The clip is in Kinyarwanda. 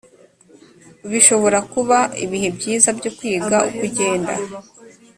bishobora kuba ibihe byiza byo kwiga uko ugenda